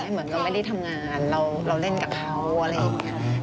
เหมือนกับไม่ได้ทำงานเราเล่นกับเขาอะไรอย่างนี้